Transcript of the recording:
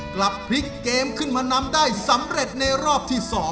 กลับพลิกเกมขึ้นมานำได้สำเร็จในรอบที่๒